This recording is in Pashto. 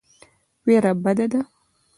وېره بده ده.